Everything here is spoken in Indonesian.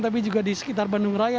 tapi juga di sekitar bandung raya